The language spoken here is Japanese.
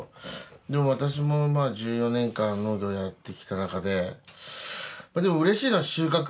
でも私も１４年間農業やってきたなかでうれしいのは収穫。